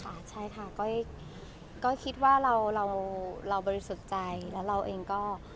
ก้อยใช่ฮะก้อยก็คิดว่าเราเราเราบริสุทธิ์ใจและเราเองก็